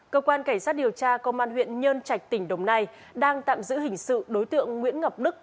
cơ quan cảnh sát điều tra công an huyện nhân trạch tỉnh đồng nai đang tạm giữ hình sự đối tượng nguyễn ngọc đức